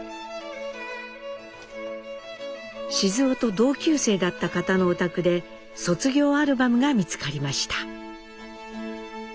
雄と同級生だった方のお宅で卒業アルバムが見つかりました。